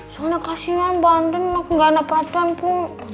soalnya kasihan bandin aku gak dapatan pu